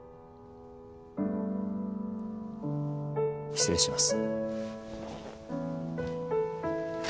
失礼します。